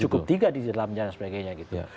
cukup tiga di dalamnya dan sebagainya gitu